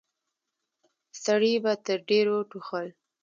سړي به تر ډيرو ټوخل.